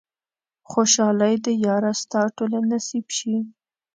خوشحالۍ دې ياره ستا ټولې نصيب شي